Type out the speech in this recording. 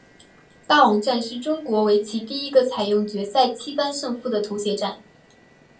霸王战是中国围棋第一个采用决赛七番胜负的头衔战。